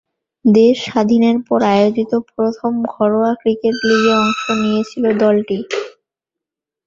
দেশ স্বাধীনের পর আয়োজিত প্রথম ঘরোয়া ক্রিকেট লিগে অংশ নিয়েছিল দলটি।